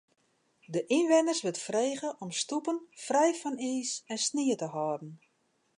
De ynwenners wurdt frege om stoepen frij fan iis en snie te hâlden.